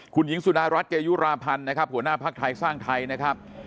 คุณหญิงสุดารัฐเกยุราพันธ์นะครับหัวหน้าภักดิ์ไทยสร้างไทยนะครับ